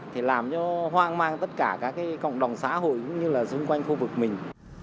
thì làm cho hoang mang tất cả cả cái cộng đồng xã hội cũng như là xung quanh khu vực mình